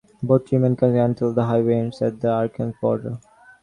Both remain concurrent, until the highway ends at the Arkansas border.